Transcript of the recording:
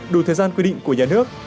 đủ thời gian quy định của nhà nước